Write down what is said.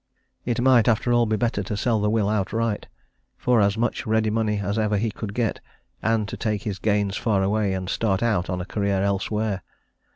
It might, after all, be better to sell the will outright for as much ready money as ever he could get, and to take his gains far away, and start out on a career elsewhere.